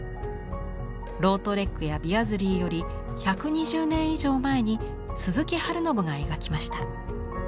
ロートレックやビアズリーより１２０年以上前に鈴木春信が描きました。